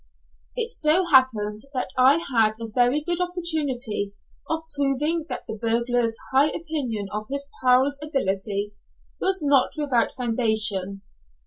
It so happened that I had a very good opportunity of proving that the burglar's high opinion of his "pal's" ability was not without foundation.